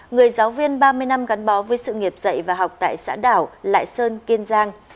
người giáo viên ba mươi năm gắn bó với sự nghiệp dạy và học tại xã đảo lại sơn kiên giang